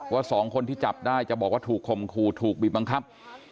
สองคนที่จับได้จะบอกว่าถูกคมคู่ถูกบีบบังคับ